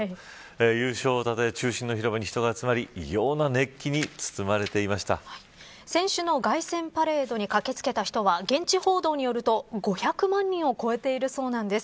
優勝をたたえ中心の広場に人が集まり選手の凱旋パレードに駆け付けた人は現地報道によると５００万人を超えているそうなんです。